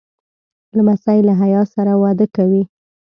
لمسی له حیا سره وده کوي.